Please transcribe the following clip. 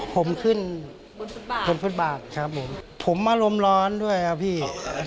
ผมขึ้นบนฟุตบาทครับผมผมอารมณ์ร้อนด้วยครับพี่